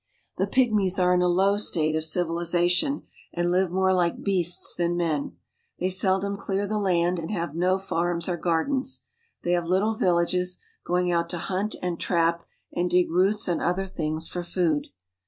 ■"^The pygmies are in a low state of civilization, and live more like beasts then men. They seldom clear the land, and have no farms or gardens. They have little villages, going out to hunt and trap and dig roots and other things for food.